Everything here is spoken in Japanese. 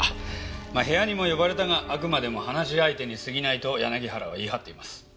まあ部屋にも呼ばれたがあくまでも話し相手に過ぎないと柳原は言い張っています。